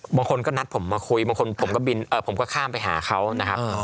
บางคนก็นัดผมมาคุยบางคนผมก็บินผมก็ข้ามไปหาเขานะครับ